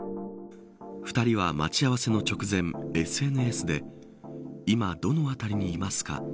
２人が待ち合わせの直前ＳＮＳで今どの辺りにいますか